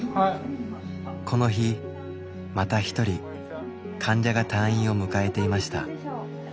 この日また一人患者が退院を迎えていました。